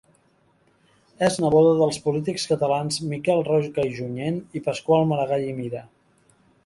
És neboda dels polítics catalans Miquel Roca i Junyent i Pasqual Maragall i Mira.